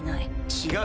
違う。